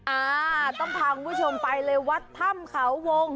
อ่าต้องพาคุณผู้ชมไปเลยวัดถ้ำเขาวง